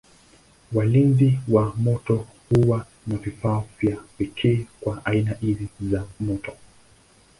Walinzi wa moto huwa na vifaa vya pekee kwa aina hizi za moto.